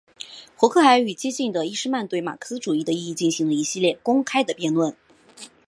胡克还与激进的伊士曼对马克思主义的意义进行了一系列公开的辩论。